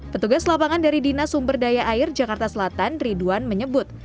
petugas lapangan dari dinas sumber daya air jakarta selatan ridwan menyebut